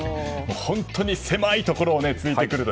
本当に狭いところを突いてくると。